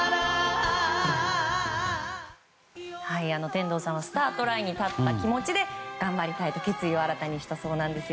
天童さんはスタートラインに立った気持ちで頑張りたいと決意を新たにしたそうです。